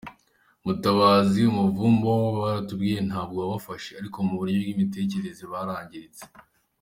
Mutabazi ati “ Umuvumo babaturiyeho ntabwo wabafashe, ariko mu buryo bw’imitekerereze barangiritse.